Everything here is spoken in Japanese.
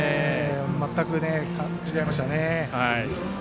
全く違いましたね。